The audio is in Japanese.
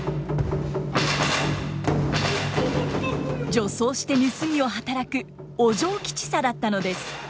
女装して盗みを働くお嬢吉三だったのです。